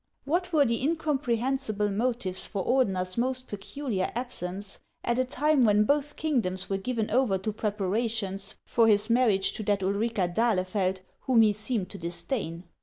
What were the incomprehensible motives for Ordener's most peculiar absence at a time when both kingdoms were given over to preparations for his marriage to that Ulrica d'Ahlefeld whom he seemed to disdain